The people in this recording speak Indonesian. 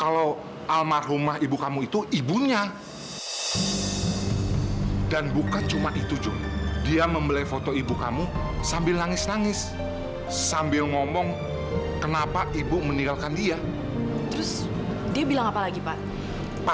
sampai jumpa di video selanjutnya